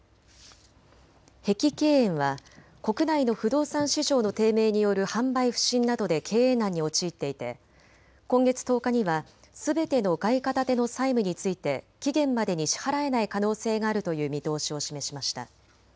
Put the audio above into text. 碧桂園は国内の不動産市場の低迷による販売不振などで経営難に陥っていて今月１０日にはすべての外貨建ての債務について期限までに支払えない可能性があるという見通しを示しました。